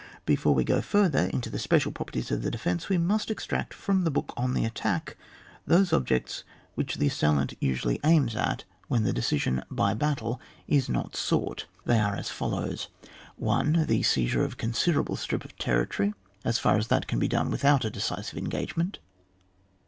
Before we go further into the special properties of the defence, we must ex tract from the book on the attack those objects which tlie assailant usually aims at when the decision (by battle) is not sought. They are as follows :— 1 . The seizure of a considerable strip of territory, as far as that can be done without a decisive engagement.